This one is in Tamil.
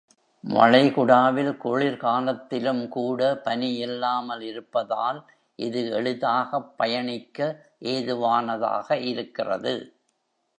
வளைகுடாவில் குளிர்காலத்திலும் கூட பனி இல்லாமல் இருப்பதால், இது எளிதாகப் பயணிக்க ஏதுவானதாக இருக்கிறது.